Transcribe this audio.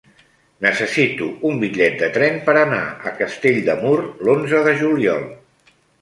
Necessito un bitllet de tren per anar a Castell de Mur l'onze de juliol.